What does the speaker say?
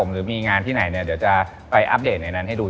หรือมีงานที่ไหนเนี่ยเดี๋ยวจะไปอัปเดตในนั้นให้ดู